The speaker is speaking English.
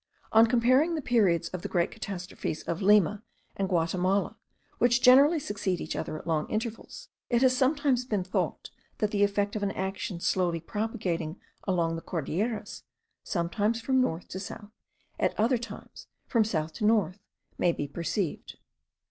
On comparing the periods of the great catastrophes of Lima and Guatimala, which generally succeed each other at long intervals, it has sometimes been thought, that the effect of an action slowly propagating along the Cordilleras, sometimes from north to south, at other times from south to north, may be perceived.